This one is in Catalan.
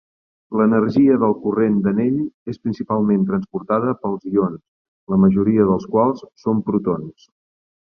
L'energia del corrent d'anell és principalment transportada pels ions, la majoria dels quals són protons.